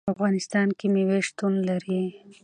په افغانستان کې مېوې شتون لري.